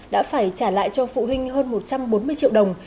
đã phải trả lại cho phụ huynh hơn một trăm bốn mươi triệu đồng